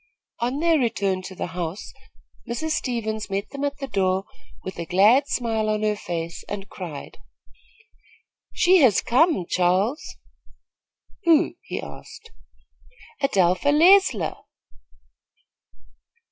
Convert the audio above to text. On their return to the house, Mrs. Stevens met them at the door with a glad smile on her face, and cried: "She has come, Charles." "Who?" he asked. "Adelpha Leisler."